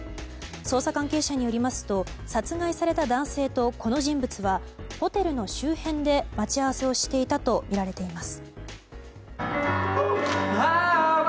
捜査関係者によりますと殺害された男性とこの人物はホテルの周辺で待ち合わせをしていたとみられます。